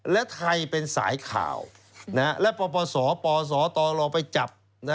และไทยเป็นสายข่าวและปปศปสตรอไปจับ